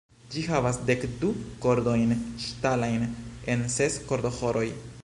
Ĝi havas dekdu kordojn ŝtalajn en ses kordoĥoroj.